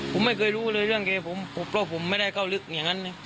ผมไม่เคยรู้เลยเรื่องแกผมเพราะผมไม่ได้เข้าลึกอย่างนั้นนะ